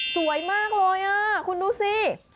สวยมากเลยคุณดูสิ